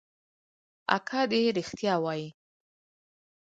اکا دې ريښتيا وايي.